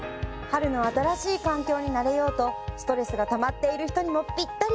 春の新しい環境に慣れようとストレスがたまっている人にもぴったりですね。